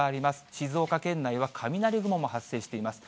静岡県内は雷雲も発生しています。